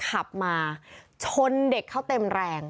ขับมาชนเด็กเขาเต็มแรง